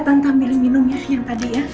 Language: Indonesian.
tante ambil minum ya yang tadi ya